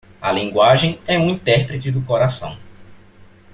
A linguagem é um intérprete do coração.